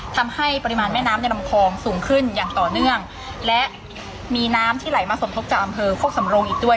ทำให้ปริมาณแม่น้ำในลำคลองสูงขึ้นอย่างต่อเนื่องและมีน้ำที่ไหลมาสมทบจากอำเภอโคกสำรงอีกด้วย